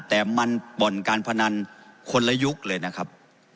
แต่มันบ่อนการพนันคนละยุคเลยนะครับ